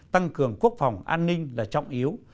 tăng cường quốc phòng an ninh là trọng yếu